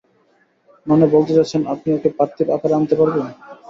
মানে, বলতে চাচ্ছেন, আপনি ওকে পার্থিব আকারে আনতে পারবেন?